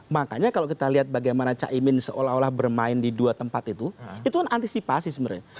makanya kalau kita lihat bagaimana caimin seolah olah bermain di dua tempat itu itu kan antisipasi sebenarnya